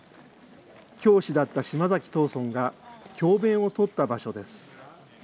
教師だった島崎藤村が教べんをとった場所です。